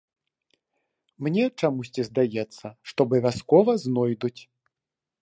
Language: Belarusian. Мне чамусьці здаецца, што абавязкова знойдуць.